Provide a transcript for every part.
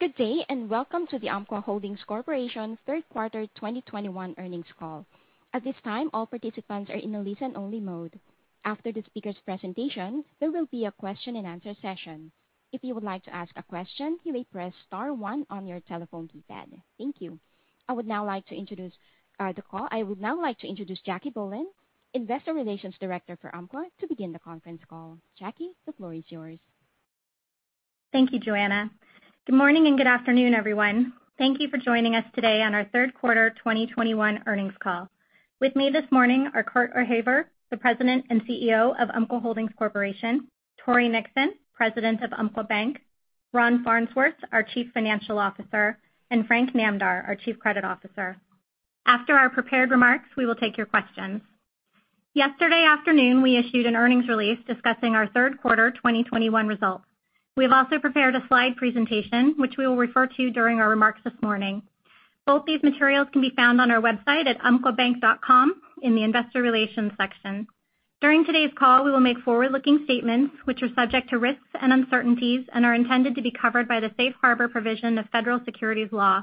Good day, and welcome to the Umpqua Holdings Corporation third quarter 2021 earnings call. At this time, all participants are on only-listen mode. After the speaker presentation there will be a question and answer session. If you would like to ask a question, you may press star one on your telephone keypad. Thank you. I would now like to introduce the call. I would now like to introduce Jacquelynne Bohlen, Investor Relations Director for Umpqua, to begin the conference call. Jackie, the floor is yours. Thank you, Joanna. Good morning and good afternoon, everyone. Thank you for joining us today on our third quarter 2021 earnings call. With me this morning are Cort O'Haver, the President and CEO of Umpqua Holdings Corporation; Tory Nixon, President of Umpqua Bank; Ron Farnsworth, our Chief Financial Officer; and Frank Namdar, our Chief Credit Officer. After our prepared remarks, we will take your questions. Yesterday afternoon, we issued an earnings release discussing our third quarter 2021 results. We have also prepared a slide presentation which we will refer to during our remarks this morning. Both these materials can be found on our website at umpquabank.com in the investor relations section. During today's call, we will make forward-looking statements which are subject to risks and uncertainties and are intended to be covered by the safe harbor provision of federal securities law.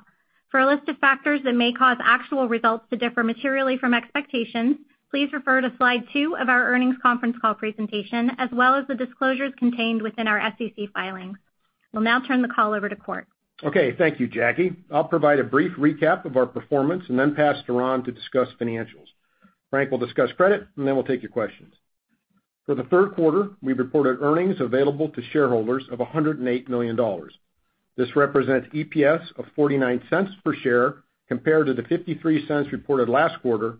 For a list of factors that may cause actual results to differ materially from expectations, please refer to Slide 2 of our earnings conference call presentation, as well as the disclosures contained within our SEC filings. We'll now turn the call over to Cort. Okay. Thank you, Jacquelynne Bohlen. I'll provide a brief recap of our performance and then pass to Ron Farnsworth to discuss financials. Frank will discuss credit, and then we'll take your questions. For the third quarter, we reported earnings available to shareholders of $108 million. This represents EPS of $0.49 per share, compared to the $0.53 reported last quarter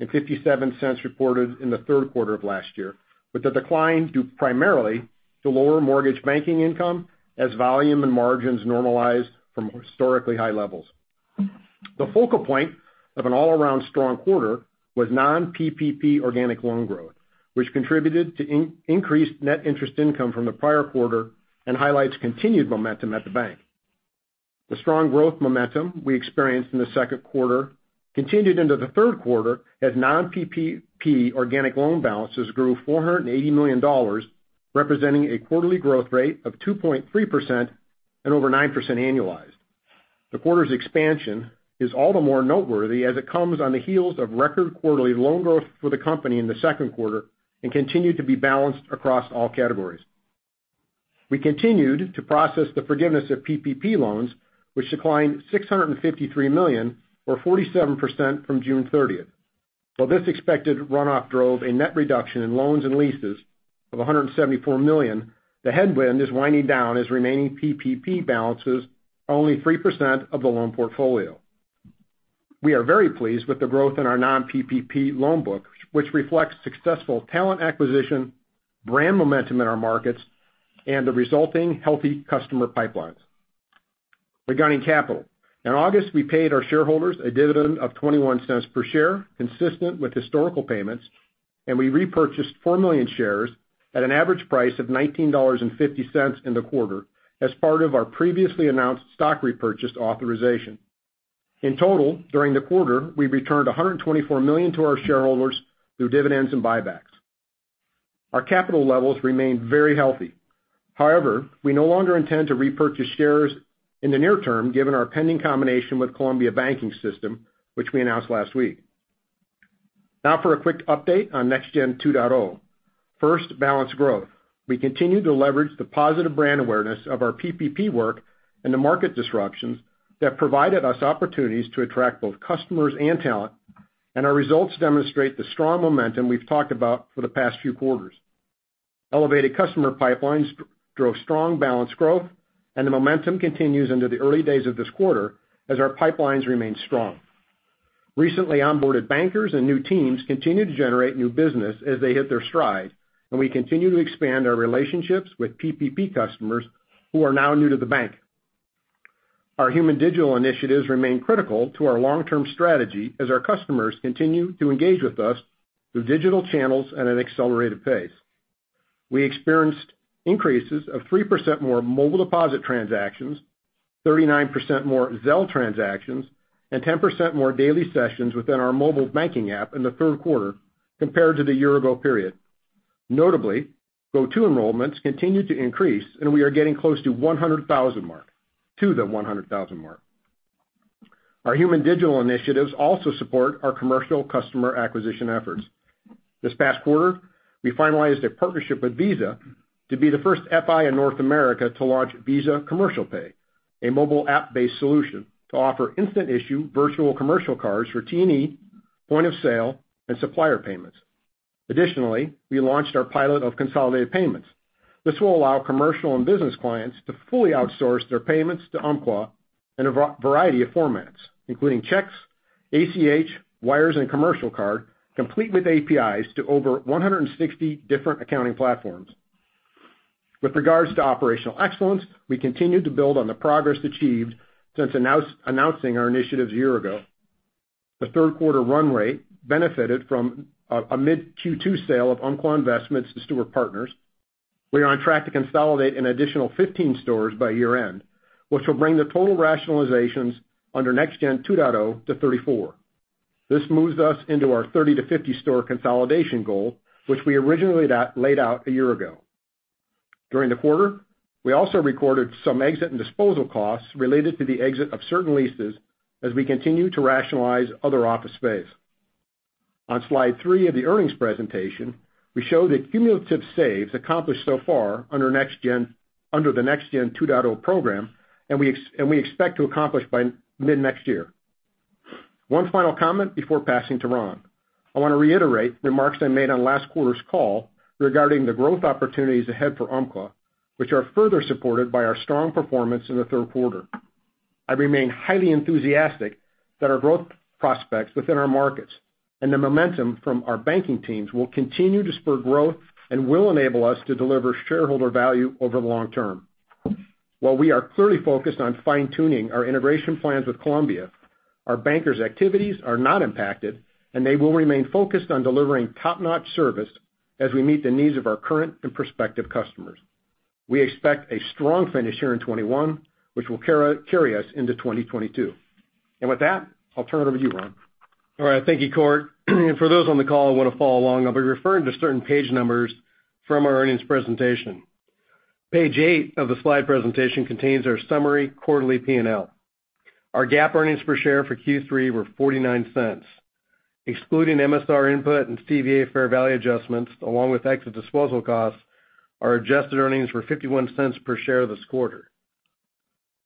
and $0.57 reported in the third quarter of last year, with the decline due primarily to lower mortgage banking income as volume and margins normalized from historically high levels. The focal point of an all-around strong quarter was non-PPP organic loan growth, which contributed to increased net interest income from the prior quarter and highlights continued momentum at the bank. The strong growth momentum we experienced in the second quarter continued into the third quarter as non-PPP organic loan balances grew $480 million, representing a quarterly growth rate of 2.3% and over 9% annualized. The quarter's expansion is all the more noteworthy as it comes on the heels of record quarterly loan growth for the company in the second quarter and continued to be balanced across all categories. We continued to process the forgiveness of PPP loans, which declined $653 million or 47% from June 30th. While this expected runoff drove a net reduction in loans and leases of $174 million, the headwind is winding down as remaining PPP balances are only 3% of the loan portfolio. We are very pleased with the growth in our non-PPP loan book, which reflects successful talent acquisition, brand momentum in our markets, and the resulting healthy customer pipelines. Regarding capital, in August, we paid our shareholders a dividend of $0.21 per share, consistent with historical payments, and we repurchased 4 million shares at an average price of $19.50 in the quarter as part of our previously announced stock repurchase authorization. In total, during the quarter, we returned $124 million to our shareholders through dividends and buybacks. Our capital levels remain very healthy. However, we no longer intend to repurchase shares in the near term given our pending combination with Columbia Banking System, which we announced last week. Now for a quick update on Next Gen 2.0. First, balanced growth. We continue to leverage the positive brand awareness of our PPP work and the market disruptions that provided us opportunities to attract both customers and talent. Our results demonstrate the strong momentum we've talked about for the past few quarters. Elevated customer pipelines drove strong balance growth. The momentum continues into the early days of this quarter as our pipelines remain strong. Recently onboarded bankers and new teams continue to generate new business as they hit their stride. We continue to expand our relationships with PPP customers who are now new to the bank. Our human digital initiatives remain critical to our long-term strategy as our customers continue to engage with us through digital channels at an accelerated pace. We experienced increases of 3% more mobile deposit transactions, 39% more Zelle transactions, and 10% more daily sessions within our mobile banking app in the third quarter compared to the year-ago period. Notably, Go-To enrollments continue to increase, and we are getting close to the 100,000 mark. Our human digital initiatives also support our commercial customer acquisition efforts. This past quarter, we finalized a partnership with Visa to be the first FI in North America to launch Visa Commercial Pay, a mobile app-based solution to offer instant issue virtual commercial cards for T&E, point of sale, and supplier payments. Additionally, we launched our pilot of consolidated payments. This will allow commercial and business clients to fully outsource their payments to Umpqua in a variety of formats, including checks, ACH, wires, and commercial card, complete with APIs to over 160 different accounting platforms. With regards to operational excellence, we continue to build on the progress achieved since announcing our initiatives a year ago. The third quarter run rate benefited from a mid Q2 sale of Umpqua Investments to Steward Partners. We are on track to consolidate an additional 15 stores by year-end, which will bring the total rationalizations under Next Gen 2.0 to 34. This moves us into our 30-50 store consolidation goal, which we originally laid out a year ago. During the quarter, we also recorded some exit and disposal costs related to the exit of certain leases as we continue to rationalize other office space. On Slide 3 of the earnings presentation, we show the cumulative saves accomplished so far under the Next Gen 2.0 program and we expect to accomplish by mid-next year. One final comment before passing to Ron. I want to reiterate remarks I made on last quarter's call regarding the growth opportunities ahead for Umpqua, which are further supported by our strong performance in the third quarter. I remain highly enthusiastic that our growth prospects within our markets and the momentum from our banking teams will continue to spur growth and will enable us to deliver shareholder value over the long term. While we are clearly focused on fine-tuning our integration plans with Columbia, our bankers' activities are not impacted, and they will remain focused on delivering top-notch service as we meet the needs of our current and prospective customers. We expect a strong finish here in 2021, which will carry us into 2022. With that, I'll turn it over to you, Ron. All right. Thank you, Cort. For those on the call who want to follow along, I will be referring to certain page numbers from our earnings presentation. Page 8 of the slide presentation contains our summary quarterly P&L. Our GAAP earnings per share for Q3 were $0.49. Excluding MSR impairment and CVA fair value adjustments, along with exit disposal costs, our adjusted earnings were $0.51 per share this quarter.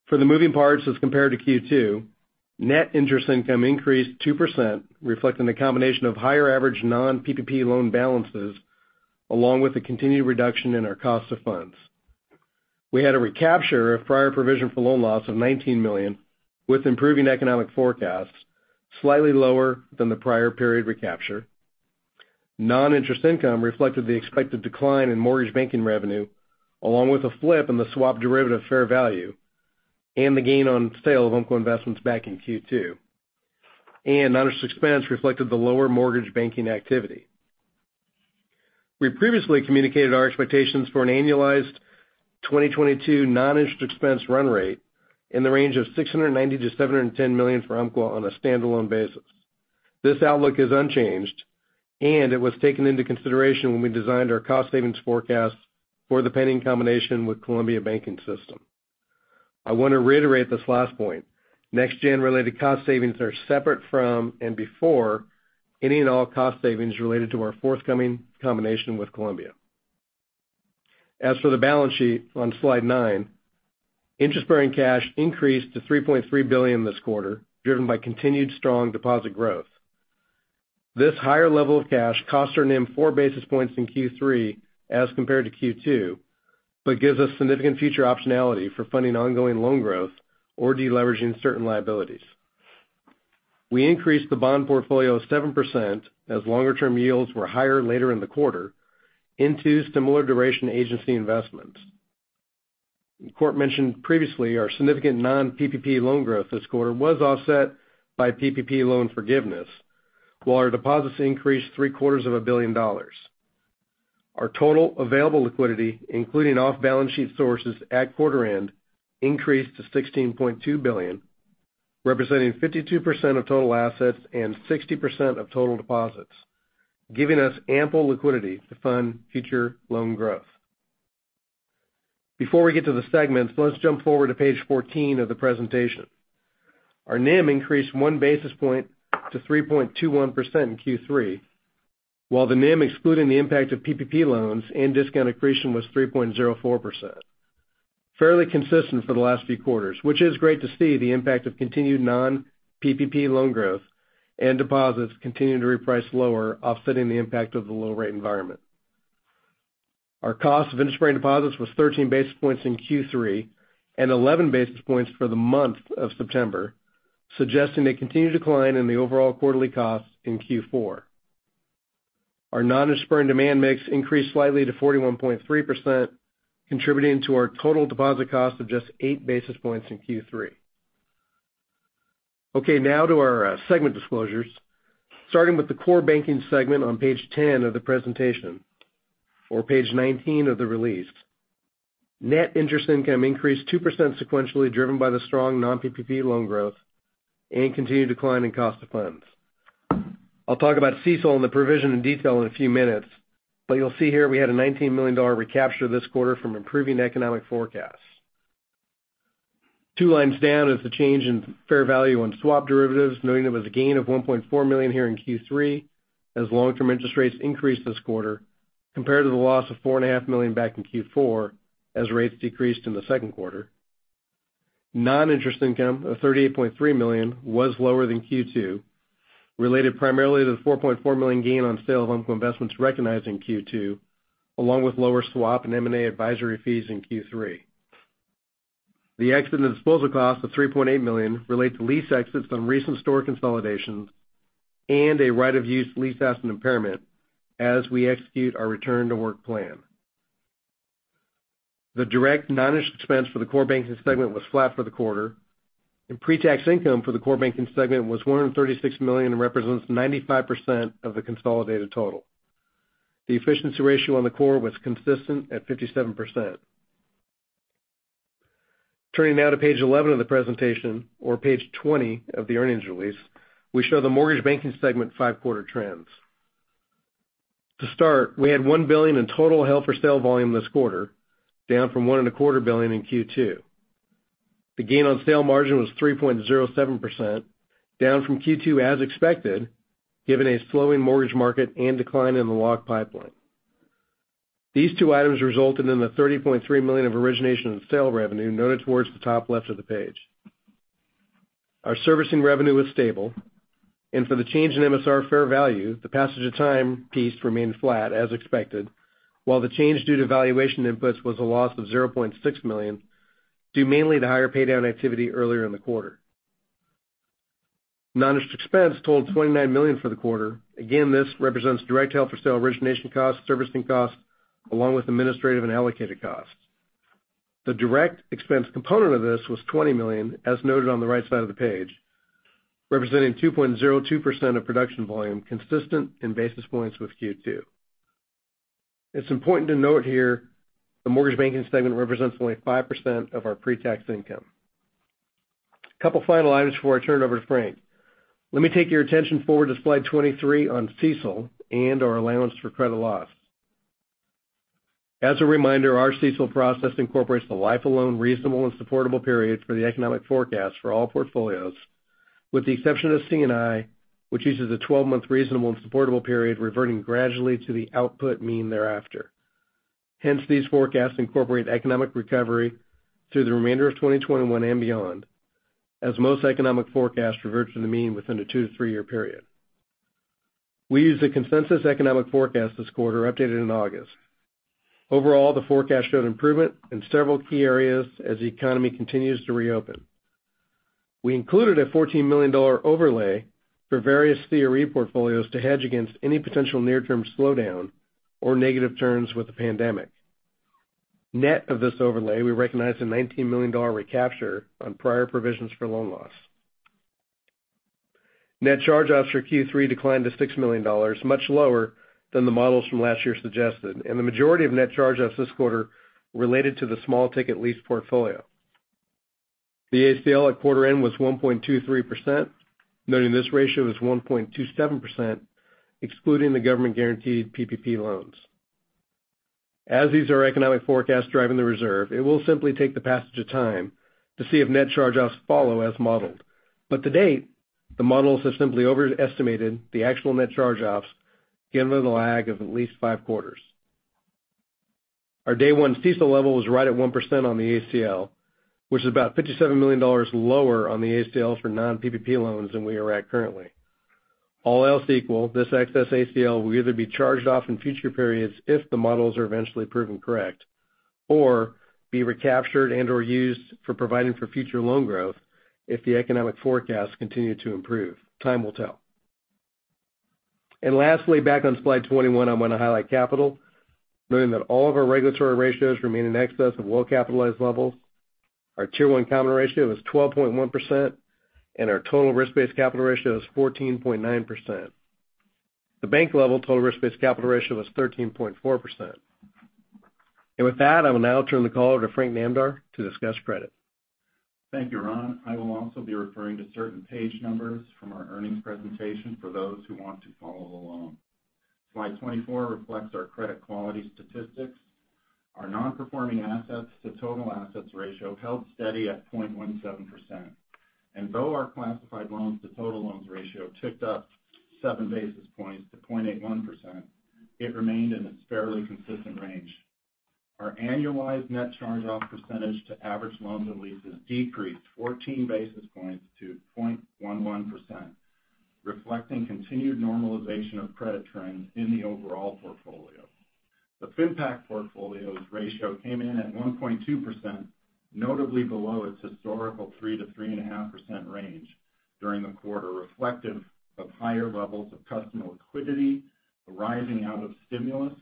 For the moving parts, as compared to Q2, net interest income increased 2%, reflecting the combination of higher average non-PPP loan balances, along with the continued reduction in our cost of funds. We had a recapture of prior provision for loan loss of $19 million with improving economic forecasts, slightly lower than the prior period recapture. Non-interest income reflected the expected decline in mortgage banking revenue, along with a flip in the swap derivative fair value and the gain on sale of Umpqua Investments back in Q2. Non-interest expense reflected the lower mortgage banking activity. We previously communicated our expectations for an annualized 2022 non-interest expense run rate in the range of $690 million-$710 million for Umpqua on a standalone basis. This outlook is unchanged, and it was taken into consideration when we designed our cost savings forecasts for the pending combination with Columbia Banking System. I want to reiterate this last point. Next Gen related cost savings are separate from and before any and all cost savings related to our forthcoming combination with Columbia. As for the balance sheet on Slide 9, interest-bearing cash increased to $3.3 billion this quarter, driven by continued strong deposit growth. This higher level of cash cost our NIM 4 basis points in Q3 as compared to Q2, but gives us significant future optionality for funding ongoing loan growth or deleveraging certain liabilities. We increased the bond portfolio 7% as longer-term yields were higher later in the quarter into similar duration agency investments. Cort mentioned previously our significant non-PPP loan growth this quarter was offset by PPP loan forgiveness, while our deposits increased three-quarters of a billion dollars. Our total available liquidity, including off-balance sheet sources at quarter end, increased to $16.2 billion, representing 52% of total assets and 60% of total deposits, giving us ample liquidity to fund future loan growth. Before we get to the segments, let's jump forward to Page 14 of the presentation. Our NIM increased 1 basis point to 3.21% in Q3, while the NIM excluding the impact of PPP loans and discount accretion was 3.04%. Fairly consistent for the last few quarters, which is great to see the impact of continued non-PPP loan growth and deposits continuing to reprice lower, offsetting the impact of the low rate environment. Our cost of interest-bearing deposits was 13 basis points in Q3 and 11 basis points for the month of September, suggesting a continued decline in the overall quarterly costs in Q4. Our non-interest bearing demand mix increased slightly to 41.3%, contributing to our total deposit cost of just 8 basis points in Q3. Okay, now to our segment disclosures. Starting with the core banking segment on Page 10 of the presentation or Page 19 of the release. Net interest income increased 2% sequentially, driven by the strong non-PPP loan growth and continued decline in cost of funds. I'll talk about CECL and the provision in detail in a few minutes, but you'll see here we had a $19 million recapture this quarter from improving economic forecasts. Two lines down is the change in fair value on swap derivatives, noting there was a gain of $1.4 million here in Q3 as long-term interest rates increased this quarter compared to the loss of $4.5 million back in Q4 as rates decreased in the second quarter. Non-interest income of $38.3 million was lower than Q2, related primarily to the $4.4 million gain on sale of Umpqua Investments recognized in Q2, along with lower swap and M&A advisory fees in Q3. The exit and disposal cost of $3.8 million relate to lease exits on recent store consolidations and a right of use lease asset impairment as we execute our return to work plan. The direct non-interest expense for the core banking segment was flat for the quarter, and pre-tax income for the core banking segment was $136 million and represents 95% of the consolidated total. The efficiency ratio on the core was consistent at 57%. Turning now to Page 11 of the presentation or Page 20 of the earnings release, we show the mortgage banking segment five-quarter trends. To start, we had $1 billion in total held for sale volume this quarter, down from $1.25 billion in Q2. The gain on sale margin was 3.07%, down from Q2 as expected, given a slowing mortgage market and decline in the lock pipeline. These two items resulted in the $30.3 million of origination and sale revenue noted towards the top left of the page. Our servicing revenue was stable, and for the change in MSR fair value, the passage of time piece remained flat as expected, while the change due to valuation inputs was a loss of $0.6 million, due mainly to higher pay down activity earlier in the quarter. Non-interest expense totaled $29 million for the quarter. This represents direct held for sale origination costs, servicing costs, along with administrative and allocated costs. The direct expense component of this was $20 million, as noted on the right side of the page, representing 2.02% of production volume, consistent in basis points with Q2. It's important to note here the mortgage banking segment represents only 5% of our pre-tax income. Couple final items before I turn it over to Frank. Let me take your attention forward to Slide 23 on CECL and our allowance for credit loss. As a reminder, our CECL process incorporates the life of loan reasonable and supportable period for the economic forecast for all portfolios, with the exception of C&I, which uses a 12-month reasonable and supportable period reverting gradually to the output mean thereafter. Hence, these forecasts incorporate economic recovery through the remainder of 2021 and beyond, as most economic forecasts revert to the mean within a two to three-year period. We used a consensus economic forecast this quarter updated in August. Overall, the forecast showed improvement in several key areas as the economy continues to reopen. We included a $14 million overlay for various CRE portfolios to hedge against any potential near-term slowdown or negative turns with the pandemic. Net of this overlay, we recognized a $19 million recapture on prior provisions for loan loss. Net charge-offs for Q3 declined to $6 million, much lower than the models from last year suggested, and the majority of net charge-offs this quarter related to the small ticket lease portfolio. The ACL at quarter end was 1.23%, noting this ratio was 1.27%, excluding the government-guaranteed PPP loans. As these are economic forecasts driving the reserve, it will simply take the passage of time to see if net charge-offs follow as modeled. To date, the models have simply overestimated the actual net charge-offs, given the lag of at least five quarters. Our day one CECL level was right at 1% on the ACL, which is about $57 million lower on the ACL for non-PPP loans than we are at currently. All else equal, this excess ACL will either be charged off in future periods if the models are eventually proven correct, or be recaptured and/or used for providing for future loan growth if the economic forecasts continue to improve. Time will tell. Lastly, back on Slide 21, I'm going to highlight capital, noting that all of our regulatory ratios remain in excess of well-capitalized levels. Our Tier 1 common ratio is 12.1%, and our total risk-based capital ratio is 14.9%. The bank-level total risk-based capital ratio was 13.4%. With that, I will now turn the call over to Frank Namdar to discuss credit. Thank you, Ron. I will also be referring to certain page numbers from our earnings presentation for those who want to follow along. Slide 24 reflects our credit quality statistics. Our non-performing assets to total assets ratio held steady at 0.17%. Though our classified loans to total loans ratio ticked up 7 basis points to 0.81%, it remained in its fairly consistent range. Our annualized net charge-off percentage to average loans and leases decreased 14 basis points to 0.11%, reflecting continued normalization of credit trends in the overall portfolio. The FinPac portfolio's ratio came in at 1.2%, notably below its historical 3%-3.5% range during the quarter, reflective of higher levels of customer liquidity arising out of stimulus,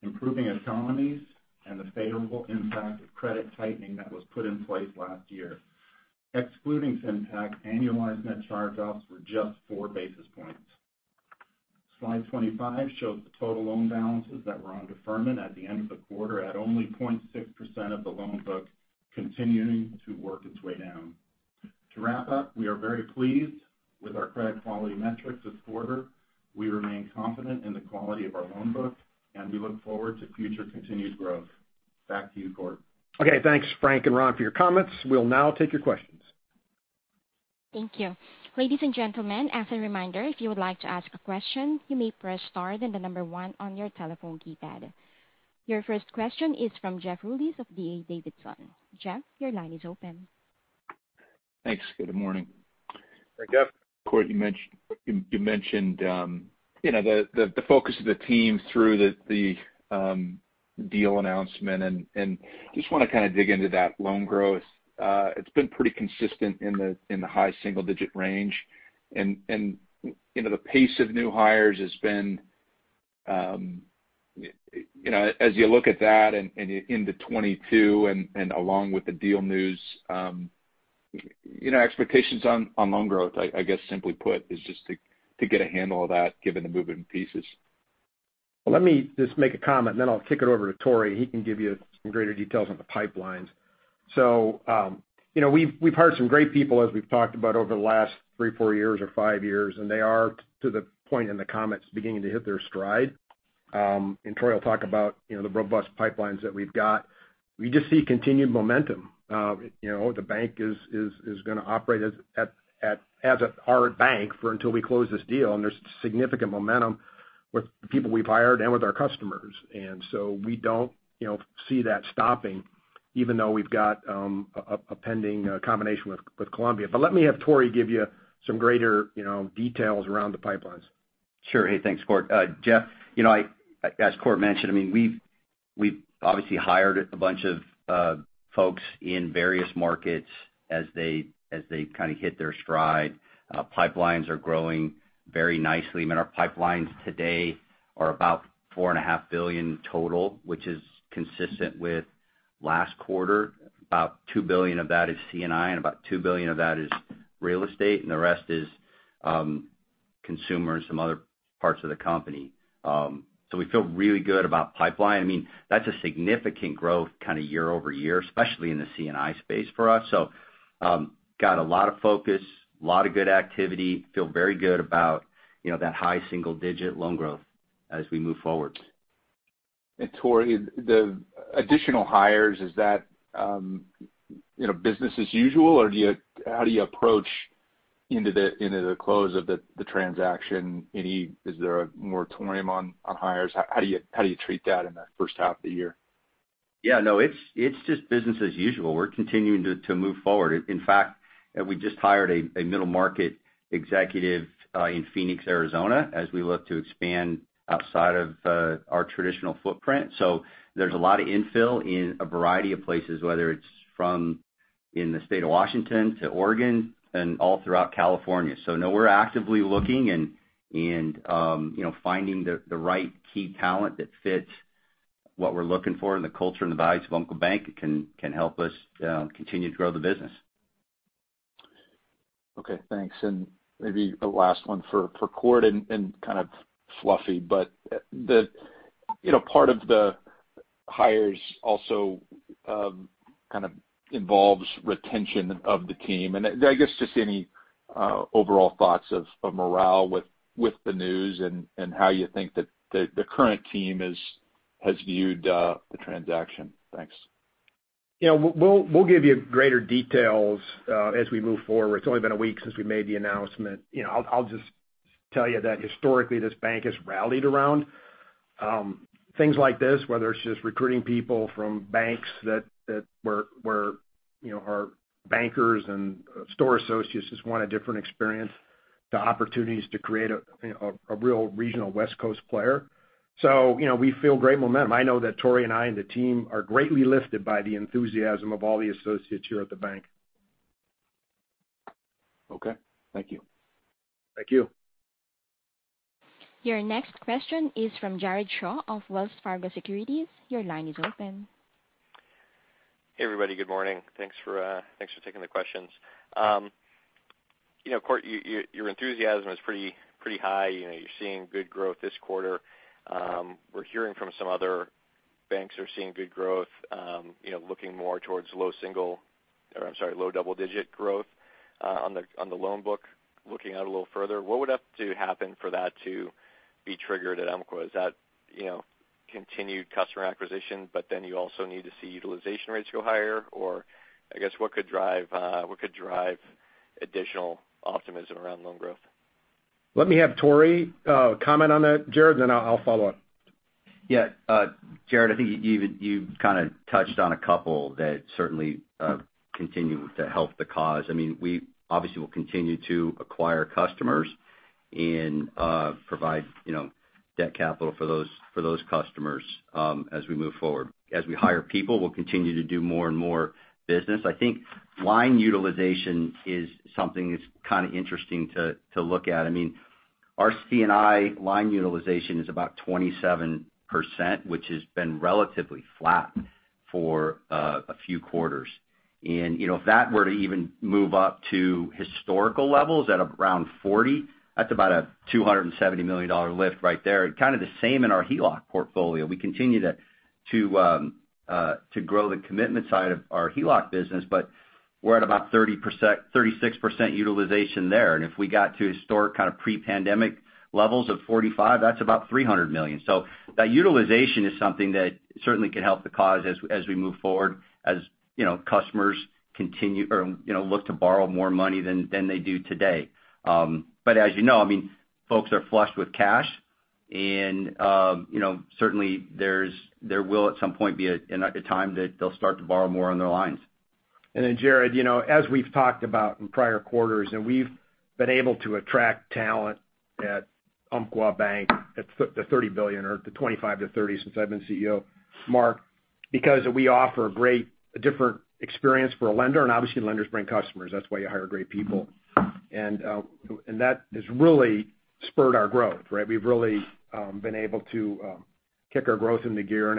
improving economies, and the favorable impact of credit tightening that was put in place last year. Excluding FinPac, annualized net charge-offs were just 4 basis points. Slide 25 shows the total loan balances that were on deferment at the end of the quarter at only 0.6% of the loan book, continuing to work its way down. To wrap up, we are very pleased with our credit quality metrics this quarter. We remain confident in the quality of our loan book, and we look forward to future continued growth. Back to you, Cort. Okay, thanks Frank and Ron for your comments. We'll now take your questions. Thank you. Ladies and gentlemen, as a reminder, if you would like to ask a question, you may press star then number one on your telephone keypad. Your first question is from Jeffrey Rulis of D.A. Davidson. Jeff, your line is open. Thanks. Good morning. Hey, Jeff. Cort, you mentioned the focus of the team through the deal announcement, and I just want to kind of dig into that loan growth. It's been pretty consistent in the high single-digit range. As you look at that and into 2022 and along with the deal news, expectations on loan growth, I guess simply put, is just to get a handle of that given the moving pieces. Let me just make a comment and then I'll kick it over to Tory. He can give you some greater details on the pipelines. We've hired some great people, as we've talked about over the last three, four years or five years, and they are to the point in the comments, beginning to hit their stride. Tory will talk about the robust pipelines that we've got. We just see continued momentum. The bank is going to operate as a hard bank for until we close this deal. There's significant momentum with the people we've hired and with our customers. We don't see that stopping even though we've got a pending combination with Columbia. Let me have Tory give you some greater details around the pipelines. Sure. Hey, thanks, Cort. Jeff, as Cort mentioned, we've obviously hired a bunch of folks in various markets as they kind of hit their stride. Pipelines are growing very nicely. Our pipelines today are about $4.5 billion total, which is consistent with last quarter. About $2 billion of that is C&I, and about $2 billion of that is real estate, and the rest is consumers, some other parts of the company. We feel really good about pipeline. That's a significant growth year-over-year, especially in the C&I space for us. Got a lot of focus, a lot of good activity. Feel very good about that high single-digit loan growth as we move forward. Tory, the additional hires, is that business as usual, or how do you approach into the close of the transaction? Is there a moratorium on hires? How do you treat that in the first half of the year? Yeah, no, it's just business as usual. We're continuing to move forward. In fact, we just hired a middle market executive in Phoenix, Arizona, as we look to expand outside of our traditional footprint. There's a lot of infill in a variety of places, whether it's from in the state of Washington to Oregon and all throughout California. No, we're actively looking and finding the right key talent that fits what we're looking for and the culture and the values of Umpqua Bank can help us continue to grow the business. Okay, thanks. Maybe a last one for Cort and kind of fluffy, but part of the hires also kind of involves retention of the team. I guess just any overall thoughts of morale with the news and how you think that the current team has viewed the transaction. Thanks. We'll give you greater details as we move forward. It's only been a week since we made the announcement. I'll just tell you that historically, this bank has rallied around things like this, whether it's just recruiting people from banks that where our bankers and store associates just want a different experience, to opportunities to create a real regional West Coast player. We feel great momentum. I know that Tory and I and the team are greatly lifted by the enthusiasm of all the associates here at the bank. Okay. Thank you. Thank you. Your next question is from Jared Shaw of Wells Fargo Securities. Your line is open. Hey, everybody. Good morning. Thanks for taking the questions. Cort, your enthusiasm is pretty high. You're seeing good growth this quarter. We're hearing from some other banks who are seeing good growth, looking more towards low double-digit growth on the loan book. Looking out a little further, what would have to happen for that to be triggered at Umpqua? Is that continued customer acquisition, but then you also need to see utilization rates go higher? I guess, what could drive additional optimism around loan growth? Let me have Tory comment on that, Jared. I'll follow up. Jared, I think you kind of touched on a couple that certainly continue to help the cause. We obviously will continue to acquire customers and provide debt capital for those customers as we move forward. As we hire people, we'll continue to do more and more business. I think line utilization is something that's kind of interesting to look at. Our C&I line utilization is about 27%, which has been relatively flat for a few quarters. If that were to even move up to historical levels at around 40%, that's about a $270 million lift right there. Kind of the same in our HELOC portfolio. We continue to grow the commitment side of our HELOC business, but we're at about 36% utilization there. If we got to historic pre-pandemic levels of 45%, that's about $300 million. That utilization is something that certainly could help the cause as we move forward, as customers look to borrow more money than they do today. As you know, folks are flushed with cash, and certainly there will, at some point, be a time that they'll start to borrow more on their lines. Jared, as we've talked about in prior quarters, we've been able to attract talent at Umpqua Bank at the $30 billion, or the $25 to $30 since I've been CEO, mark, because we offer a different experience for a lender. Obviously, lenders bring customers. That's why you hire great people. That has really spurred our growth. We've really been able to kick our growth into gear.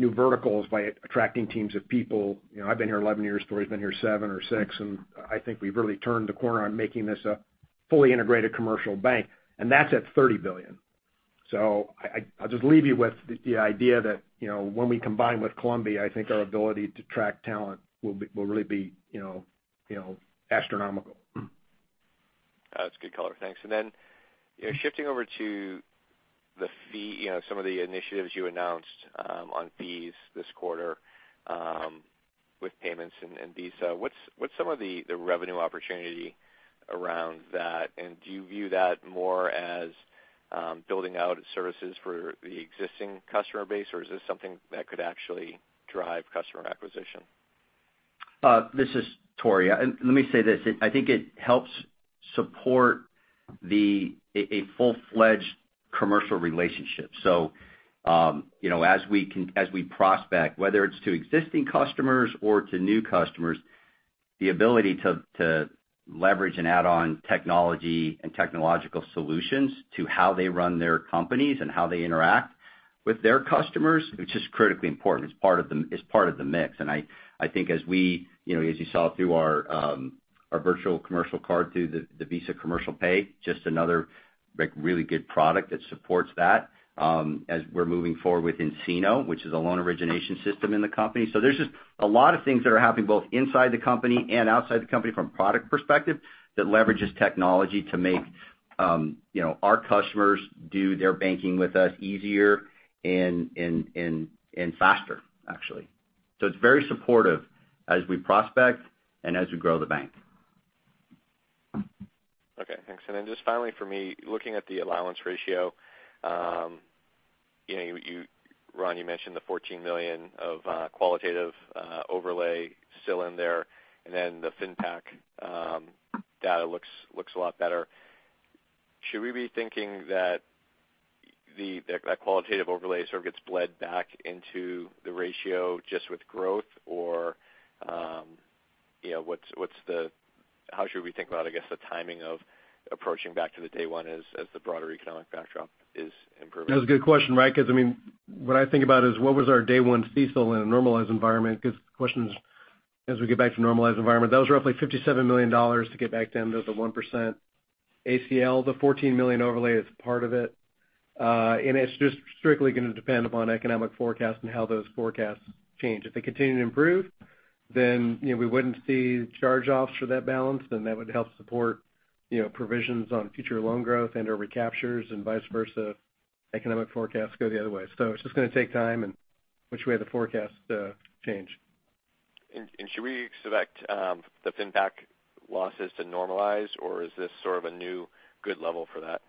New verticals by attracting teams of people. I've been here 11 years, Tory's been here seven or six, and I think we've really turned the corner on making this a fully integrated commercial bank, and that's at $30 billion. I'll just leave you with the idea that when we combine with Columbia, I think our ability to attract talent will really be astronomical. That's good color. Thanks. Then shifting over to some of the initiatives you announced on fees this quarter with payments and Visa, what's some of the revenue opportunity around that? Do you view that more as building out services for the existing customer base, or is this something that could actually drive customer acquisition? This is Tory. Let me say this. I think it helps support a full-fledged commercial relationship. As we prospect, whether it's to existing customers or to new customers, the ability to leverage and add on technology and technological solutions to how they run their companies and how they interact with their customers, which is critically important. It's part of the mix. I think as you saw through our virtual commercial card through the Visa Commercial Pay, just another really good product that supports that as we're moving forward with nCino, which is a loan origination system in the company. There's just a lot of things that are happening both inside the company and outside the company from a product perspective that leverages technology to make our customers do their banking with us easier and faster, actually. It's very supportive as we prospect and as we grow the bank. Okay, thanks. Just finally for me, looking at the allowance ratio, Ron, you mentioned the $14 million of qualitative overlay still in there, the FinPac data looks a lot better. Should we be thinking that that qualitative overlay sort of gets bled back into the ratio just with growth? How should we think about, I guess, the timing of approaching back to the day one as the broader economic backdrop is improving? That's a good question, right? What I think about is what was our day one CECL in a normalized environment, because the question is as we get back to a normalized environment. That was roughly $57 million to get back down to the 1% ACL. The $14 million overlay is part of it. It's just strictly going to depend upon economic forecasts and how those forecasts change. If they continue to improve, then we wouldn't see charge-offs for that balance, then that would help support provisions on future loan growth and/or recaptures, and vice versa. Economic forecasts go the other way. It's just going to take time and which way the forecasts change. Should we expect the FinPac losses to normalize, or is this sort of a new good level for that?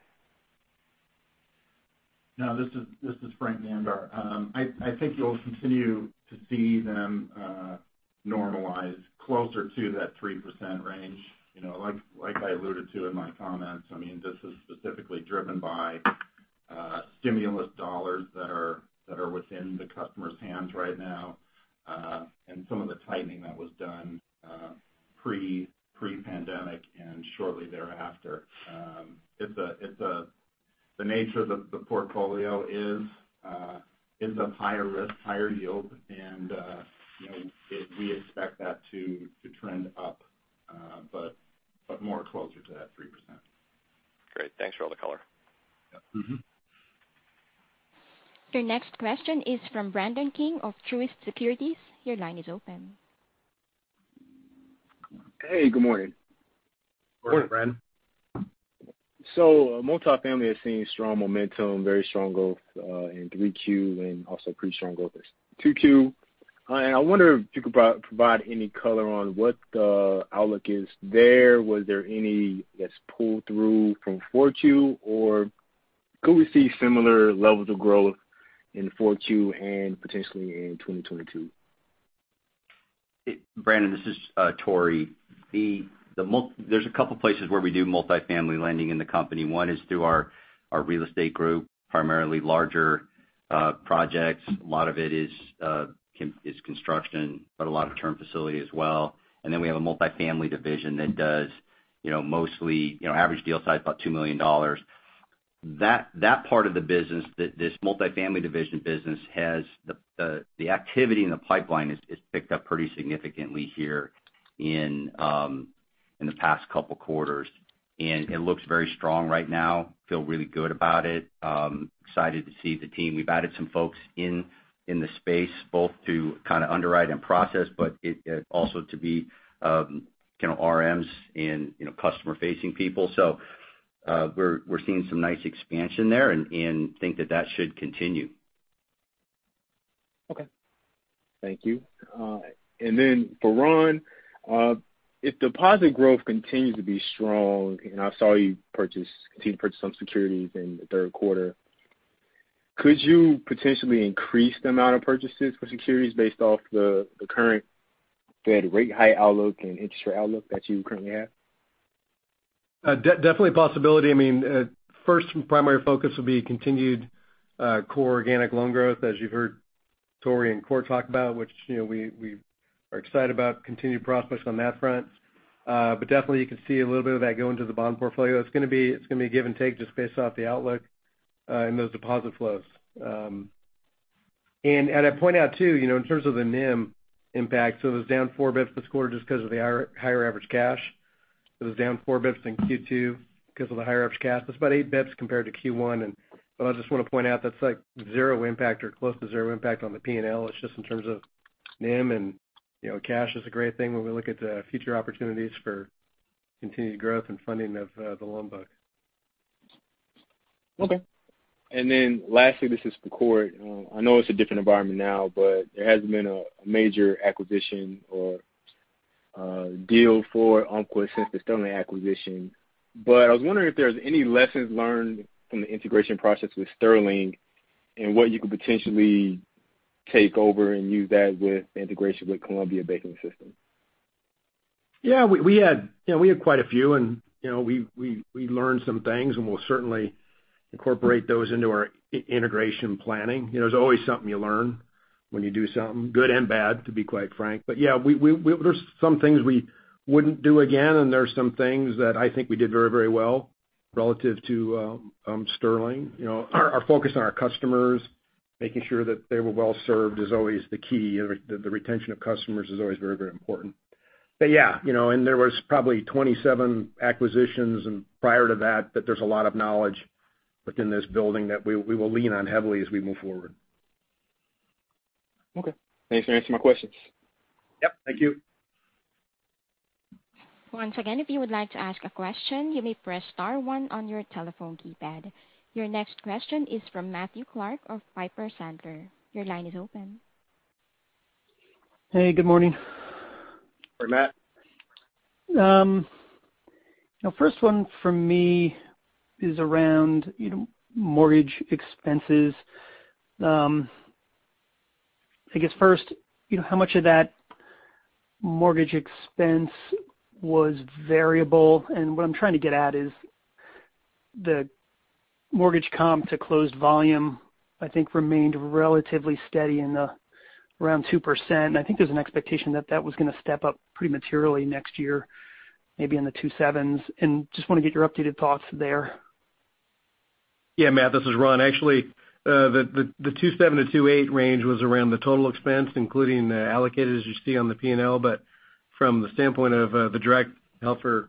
No, this is Frank Namdar. I think you'll continue to see them normalize closer to that 3% range. Like I alluded to in my comments, this is specifically driven by stimulus dollars that are within the customer's hands right now. Some of the tightening that was done pre-pandemic and shortly thereafter. The nature of the portfolio is of higher risk, higher yield, and we expect that to trend up, but more closer to that 3%. Great. Thanks for all the color. Yep. Your next question is from Brandon King of Truist Securities. Your line is open. Hey, good morning. Morning. Morning, Brandon. Multifamily has seen strong momentum, very strong growth in 3Q and also pretty strong growth this 2Q. I wonder if you could provide any color on what the outlook is there. Was there any that's pulled through from 4Q, or could we see similar levels of growth in 4Q and potentially in 2022? Brandon, this is Tory. There's a couple of places where we do multifamily lending in the company. One is through our real estate group, primarily larger projects. A lot of it is construction, but a lot of term facility as well. Then we have a multifamily division that does mostly average deal size, about $2 million. That part of the business, this multifamily division business has the activity in the pipeline is picked up pretty significantly here in the past couple of quarters. It looks very strong right now. Feel really good about it. Excited to see the team. We've added some folks in the space both to kind of underwrite and process, but also to be RMs and customer-facing people. We're seeing some nice expansion there and think that that should continue. Okay. Thank you. For Ron, if deposit growth continues to be strong, and I saw you continued to purchase some securities in the third quarter, could you potentially increase the amount of purchases for securities based off the current Fed rate height outlook and interest rate outlook that you currently have? Definitely a possibility. First primary focus will be continued core organic loan growth, as you've heard Tory and Cort talk about, which we are excited about continued prospects on that front. Definitely you can see a little bit of that going to the bond portfolio. It's going to be give and take just based off the outlook in those deposit flows. As I point out too, in terms of the NIM impact, so it was down 4 basis points this quarter just because of the higher average cash. It was down 4 basis points in Q2 because of the higher average cash. That's about 8 basis points compared to Q1. I just want to point out that's zero impact or close to zero impact on the P&L. It's just in terms of NIM and cash is a great thing when we look at the future opportunities for continued growth and funding of the loan book. Okay. Lastly, this is for Cort. I know it's a different environment now, there hasn't been a major acquisition or deal for Umpqua since the Sterling acquisition. I was wondering if there's any lessons learned from the integration process with Sterling and what you could potentially take over and use that with the integration with Columbia Banking System. Yeah. We had quite a few and we learned some things, and we'll certainly incorporate those into our integration planning. There's always something you learn when you do something, good and bad, to be quite frank. Yeah, there's some things we wouldn't do again, and there are some things that I think we did very well relative to Sterling. Our focus on our customers, making sure that they were well-served is always the key. The retention of customers is always very important. Yeah, there was probably 27 acquisitions and prior to that there's a lot of knowledge within this building that we will lean on heavily as we move forward. Okay. Thanks for answering my questions. Yep. Thank you. Once again, if you would like to ask a question, you may press star one on your telephone keypad. Your next question is from Matthew Clark of Piper Sandler. Your line is open. Hey, good morning. Morning, Matt. First one from me is around mortgage expenses. I guess first, how much of that mortgage expense was variable? What I'm trying to get at is the mortgage comp to closed volume, I think remained relatively steady in the around 2%. I think there's an expectation that that was going to step up pretty materially next year, maybe in the 2.7%. Just want to get your updated thoughts there. Yeah, Matt, this is Ron. Actually, the 2.7%-2.8% range was around the total expense, including the allocated, as you see on the P&L. From the standpoint of the direct held for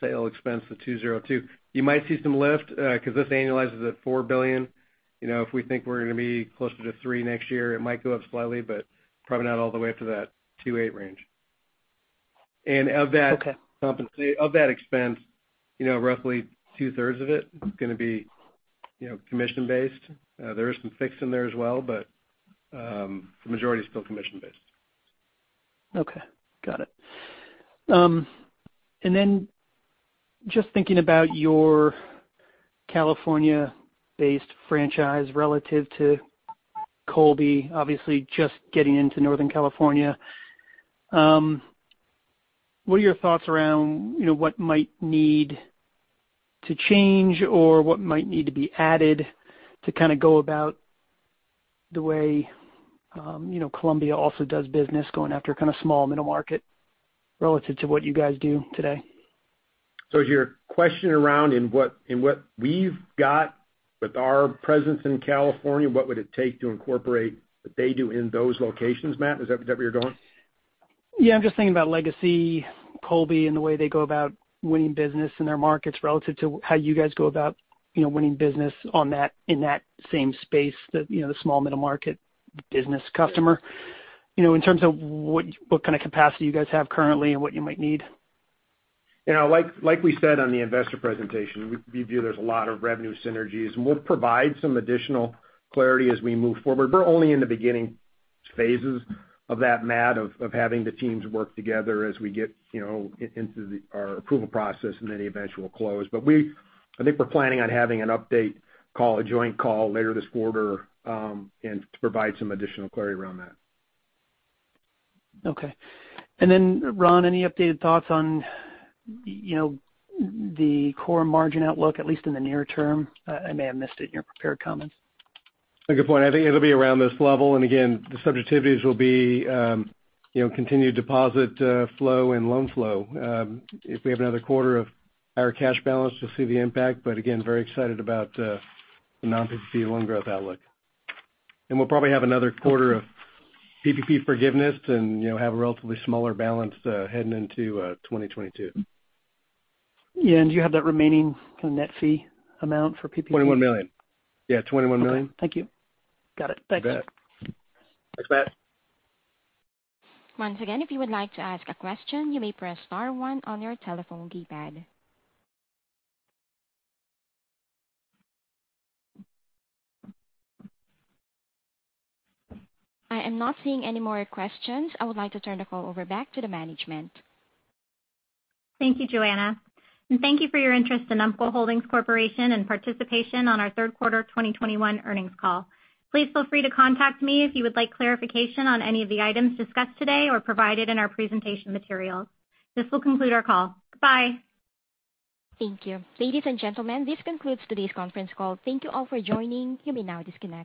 sale expense, the 2.02%. You might see some lift because this annualizes at $4 billion. If we think we're going to be closer to three next year, it might go up slightly, but probably not all the way up to that 2.8% range. Okay. Of that expense, roughly two-thirds of it is going to be commission-based. There is some fixed in there as well, but the majority is still commission-based. Okay. Got it. Then just thinking about your California-based franchise relative to Columbia, obviously just getting into Northern California. What are your thoughts around what might need to change or what might need to be added to go about the way Columbia also does business going after kind of small middle market relative to what you guys do today? Is your question around in what we've got with our presence in California, what would it take to incorporate what they do in those locations, Matt? Is that where you're going? Yeah, I'm just thinking about Legacy, Columbia, and the way they go about winning business in their markets relative to how you guys go about winning business in that same space, the small middle market business customer. In terms of what kind of capacity you guys have currently and what you might need. Like we said on the investor presentation, we view there's a lot of revenue synergies, and we'll provide some additional clarity as we move forward. We're only in the beginning phases of that, Matt, of having the teams work together as we get into our approval process and then the eventual close. I think we're planning on having an update call, a joint call, later this quarter, and to provide some additional clarity around that. Okay. Ron, any updated thoughts on the core margin outlook, at least in the near term? I may have missed it in your prepared comments. Good point. I think it'll be around this level. Again, the subjectivities will be continued deposit flow and loan flow. If we have another quarter of higher cash balance, we'll see the impact. Again, very excited about the non-PPP loan growth outlook. We'll probably have another quarter of PPP forgiveness and have a relatively smaller balance heading into 2022. Yeah. Do you have that remaining net fee amount for PPP? $21 million. Yeah, $21 million. Okay. Thank you. Got it. Thank you. You bet. Thanks, Matt. Once again, if you would like to ask a question, you may press star one on your telephone keypad. I am not seeing any more questions. I would like to turn the call over back to the management. Thank you, Joanna. Thank you for your interest in Umpqua Holdings Corporation and participation on our third quarter 2021 earnings call. Please feel free to contact me if you would like clarification on any of the items discussed today or provided in our presentation materials. This will conclude our call. Goodbye. Thank you. Ladies and gentlemen, this concludes today's conference call. Thank you all for joining. You may now disconnect.